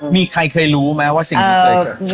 มีใครเคยรู้ไหมว่าสิ่งที่เคยเกิด